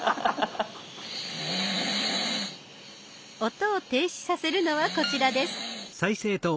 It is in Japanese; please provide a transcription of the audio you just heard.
音を停止させるのはこちらです。